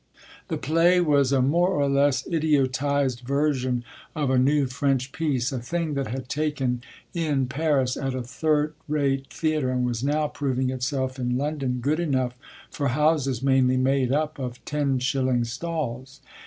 The play was a more or less idiotised version of a new French piece, a thing that had taken in Paris at a third rate theatre and was now proving itself in London good enough for houses mainly made up of ten shilling stalls.